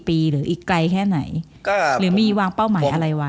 อีกไกลใช่ไหมหรือมีวางเป้าหมายอะไรไว้